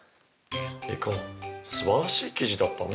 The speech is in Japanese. リカ素晴らしい記事だったね。